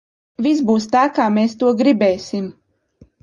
Viss būs tā, kā mēs to gribēsim!